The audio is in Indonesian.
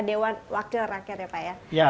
dewan wakil rakyat ya pak ya